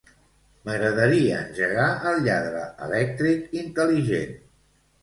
M'agradaria engegar el lladre elèctric intel·ligent.